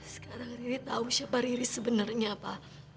sekarang riri tau siapa riri sebenarnya pa